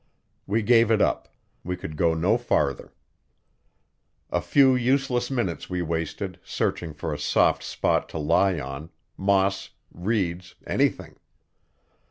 We gave it up; we could go no farther. A few useless minutes we wasted, searching for a soft spot to lie on moss, reeds, anything.